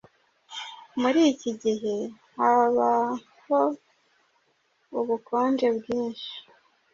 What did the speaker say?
Muri iki gihe habahom ubukonje bwinshi.